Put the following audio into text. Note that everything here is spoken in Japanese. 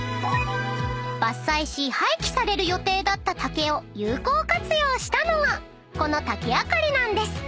［伐採し廃棄される予定だった竹を有効活用したのがこの竹あかりなんです］